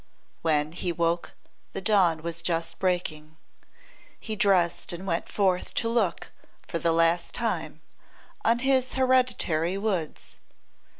When he woke the dawn was just breaking. He dressed and went forth to look, for the last time, on his hereditary woods.